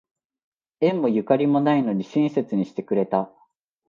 縁もゆかりもないのに親切にしてくれた